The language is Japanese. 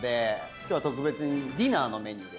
今日は特別にディナーのメニューですね。